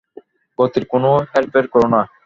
গতির কোনো হেরফের করো না।